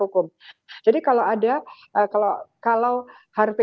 hukum jadi kalau ada kalau kalau hari